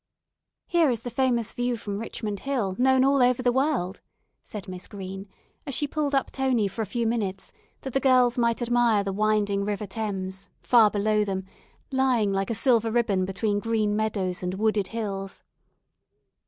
"Here is the famous view from Richmond Hill, known all over the world," said Miss Green, as she pulled up Tony for a few minutes, that the girls might admire the winding River Thames, far below them, lying like a silver ribbon between green meadows and wooded hills.